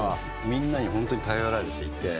みんなに本当に頼られていて。